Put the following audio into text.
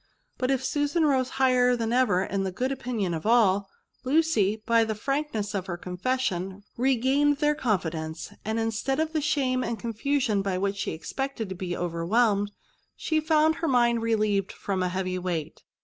But if Susan rose high €t than ever in the good opinion of all, Lucy by the frankness of her confession regained their confidence ; and, instead of the shame and confusion by which she expected to bo overwhelmed, she found her mind relieved from a heavy weight.